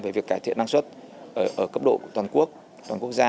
về việc cải thiện năng suất ở cấp độ toàn quốc toàn quốc gia